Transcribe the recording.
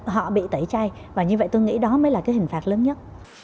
họ bị tẩy chay và như vậy tôi nghĩ đó mới là cái hình phạt lớn nhất